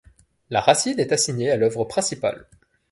La racine est assignée à l’œuvre principale.